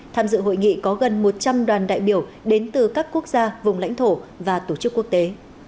tham dự hội nghị có gần một trăm linh đoàn đại biểu đến từ các quốc gia vùng lãnh thổ và tổ chức quốc tế